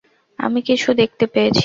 আমি কিছু দেখতে পেয়েছি।